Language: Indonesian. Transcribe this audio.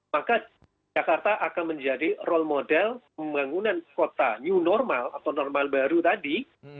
maka jakarta akan menjadi role model pembangunan kota new normal atau normal baru tadi